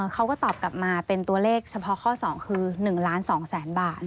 เขาก็ตอบกลับมาเป็นตัวเลขเฉพาะข้อ๒คือ๑ล้าน๒แสนบาท